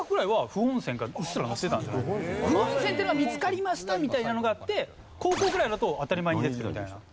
富本銭っていうのが見つかりましたみたいなのがあって高校ぐらいだと当たり前に出てきたみたいな。